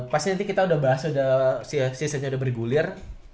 pasti nanti kita udah bahas seasonnya udah bergulir